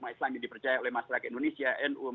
yang dipercaya oleh masyarakat indonesia